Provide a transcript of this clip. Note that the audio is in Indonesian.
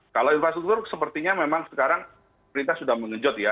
kalau infrastruktur sepertinya memang sekarang perintah sudah mengejut ya